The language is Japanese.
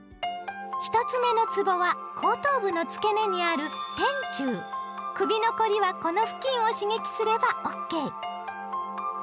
１つ目のつぼは後頭部の付け根にある首の凝りはこの付近を刺激すればＯＫ！